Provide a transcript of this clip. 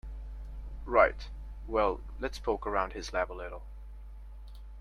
Right, well let's poke around his lab a little.